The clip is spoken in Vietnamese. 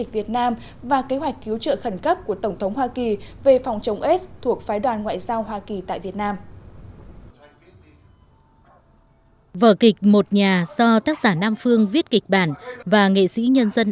viết kịch bản và nghệ sĩ nhân dân